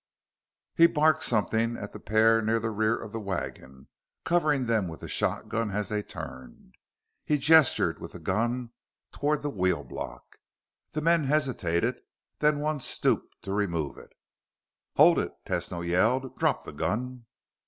He barked something at the pair near the rear of the wagon, covering them with the shotgun as they turned. He gestured with the gun toward the wheel block. The men hesitated, then one stooped to remove it. "Hold it!" Tesno yelled. "Drop the gun!"